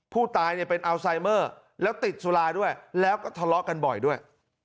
ผู้ตายเนี่ยเป็นอัลไซเมอร์แล้วติดสุราด้วยแล้วก็ทะเลาะกันบ่อยด้วย